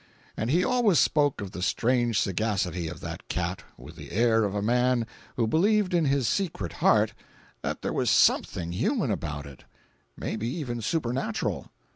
And he always spoke of the strange sagacity of that cat with the air of a man who believed in his secret heart that there was something human about it—may be even supernatural.